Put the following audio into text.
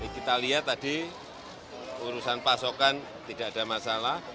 kita lihat tadi urusan pasokan tidak ada masalah